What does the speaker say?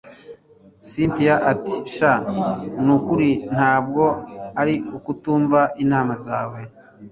cyntia ati sha nukuri ntabwo ari ukutumva inama zawe